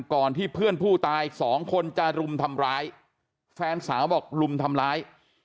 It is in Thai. ก่อนที่เพื่อนผู้ตายสองคนจะรุมทำร้ายแฟนสาวบอกลุมทำร้าย